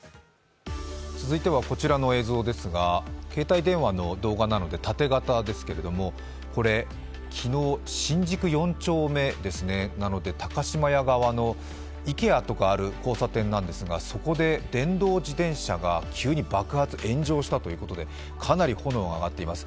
続いてはこちらの映像ですが、携帯電話の動画なので縦型ですけども昨日、新宿４丁目なので、高島屋側のＩＫＥＡとかある交差点なんですがそこで電動自転車が急に爆発・炎上したということでかなり炎が上がっています。